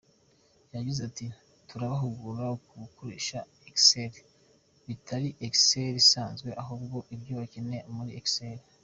Yagize ati “Turabahugura ku gukoresha Excel, bitari Excel isanzwe ahubwo ibyo bakeneye muri Excel.